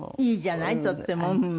いいじゃないとってもうん。